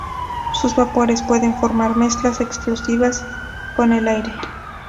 Sus vapores pueden formar mezclas explosivas con el aire.